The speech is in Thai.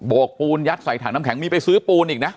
กปูนยัดใส่ถังน้ำแข็งมีไปซื้อปูนอีกนะ